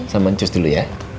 sama mancus dulu ya